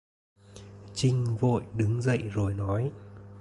Chinh vội đứng dậy rồi nói